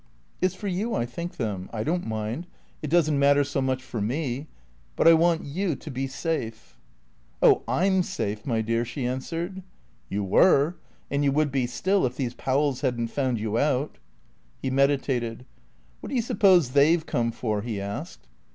"It's for you I think them. I don't mind. It doesn't matter so much for me. But I want you to be safe." "Oh, I'm safe, my dear," she answered. "You were. And you would be still, if these Powells hadn't found you out." He meditated. "What do you suppose they've come for?" he asked.